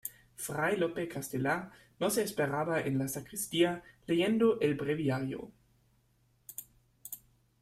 fray Lope Castelar nos esperaba en la sacristía leyendo el breviario.